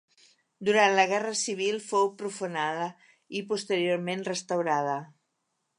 Durant la Guerra de Civil, fou profanada i posteriorment restaurada.